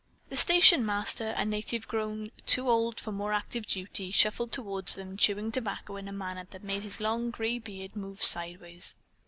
The station master, a native grown too old for more active duty, shuffled toward them, chewing tobacco in a manner that made his long gray beard move sideways.